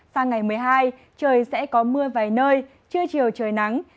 sang ngày một mươi hai trời sẽ có mưa vài nơi trưa chiều trời nắng